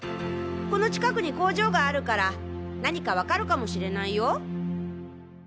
この近くに工場があるから何か分かるかもしれないよ。